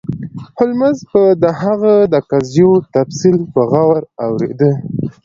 هولمز به د هغه د قضیو تفصیل په غور اوریده.